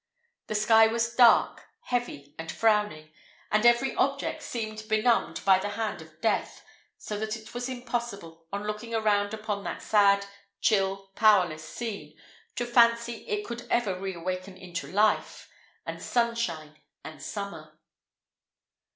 The sky was dark, heavy, and frowning, and every object seemed benumbed by the hand of death; so that it was impossible, on looking around upon that sad, chill, powerless scene, to fancy it could ever re awaken into life, and sunshine, and summer.